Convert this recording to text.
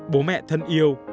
bố mẹ thân yêu